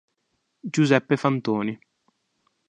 Giuseppe Fantoni.